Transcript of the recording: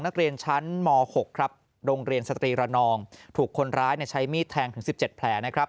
นักเรียนชั้นม๖ครับโรงเรียนสตรีระนองถูกคนร้ายใช้มีดแทงถึง๑๗แผลนะครับ